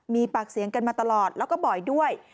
มีปากเสียงกันมาตลอดแล้วก็บ่อยด้วย